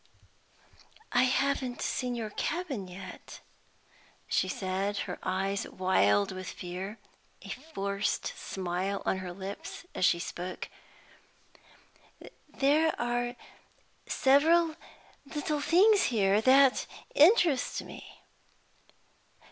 "I haven't seen your cabin yet," she said, her eyes wild with fear, a forced smile on her lips, as she spoke. "There are several little things here that interest me.